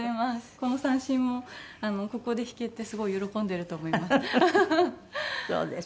この三線もここで弾けてすごい喜んでいると思います。